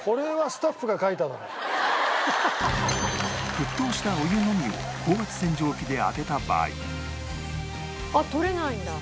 沸騰したお湯のみを高圧洗浄機で当てた場合あっ取れないんだ。